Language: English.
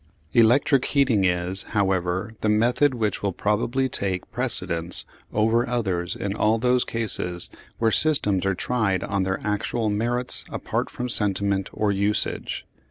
Electric heating is, however, the method which will probably take precedence over others in all those cases where systems are tried on their actual merits apart from sentiment or usage.